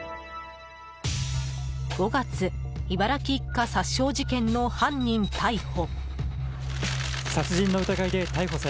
５月、茨城一家殺傷事件の犯人逮捕。